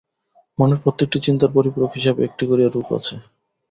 মনের প্রত্যেকটি চিন্তার পরিপূরক হিসাবে একটি করিয়া রূপ আছে।